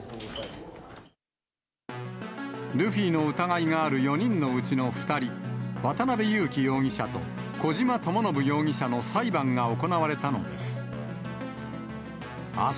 ルフィの疑いがある４人のうちの２人、渡辺優樹容疑者と、小島智信容疑者の裁判が行われたのです。